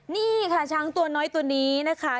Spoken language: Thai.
นี่ค่ะช้างตัวน้อยตัวนี้นะคะ